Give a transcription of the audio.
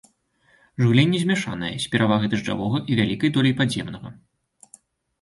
Жыўленне змяшанае, з перавагай дажджавога і вялікай доляй падземнага.